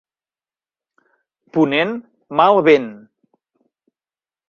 Ponent, mal vent.